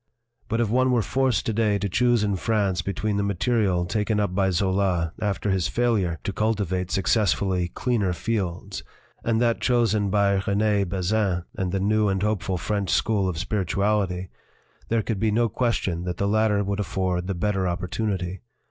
But if one were forced to day to choose in France between the material taken up by Zola after his failure to cultivate successfully cleaner fields, and that chosen by Rene Bazin and the new and hopeful 181 LITERATURE IN THE MAKING French school of spirituality, there could be no question that the latter would afford the better opportunity.